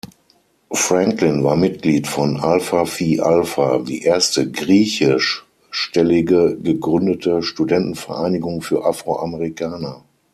Franklin war Mitglied von Alpha Phi Alpha, die erste griechisch-stellige gegründete Studentenvereinigung für Afroamerikaner.